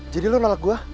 jadi lo nolak gue